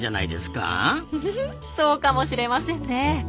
うふふそうかもしれませんね。